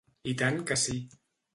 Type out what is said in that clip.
I tant que sí.